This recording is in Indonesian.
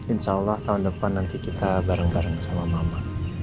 insya allah tahun depan nanti kita bareng bareng sama mama